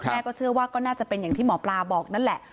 เชื่อว่าก็น่าจะเป็นอย่างที่หมอปลาบอกนั่นแหละ